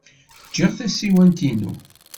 Ǧǧiɣ tasiwant-inu.